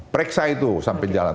periksa itu sampai jalan